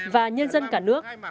và nhân dân cả nước